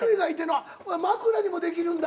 あっ枕にもできるんだ。